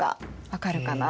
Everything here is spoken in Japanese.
分かるかな？